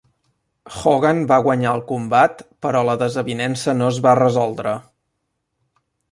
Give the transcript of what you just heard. Hogan va guanyar el combat però la desavinença no es va resoldre.